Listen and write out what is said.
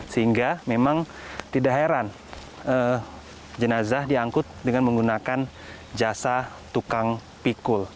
sehingga memang tidak heran jenazah diangkut dengan menggunakan jasa tukang pikul